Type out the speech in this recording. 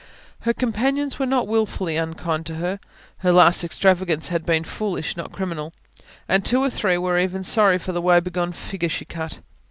Her companions were not wilfully unkind to her her last extravagance had been foolish, not criminal and two or three were even sorry for the woebegone figure she cut.